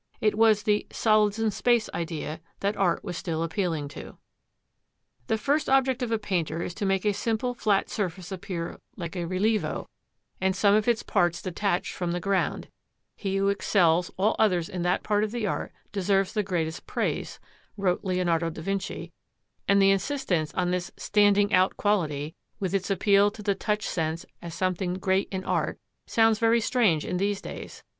It was the "solids in space" idea that art was still appealing to. "The first object of a painter is to make a simple flat surface appear like a relievo, and some of its parts detached from the ground; he who excels all others in that part of the art deserves the greatest praise," wrote Leonardo da Vinci, and the insistence on this "standing out" quality, with its appeal to the touch sense as something great in art, sounds very strange in these days.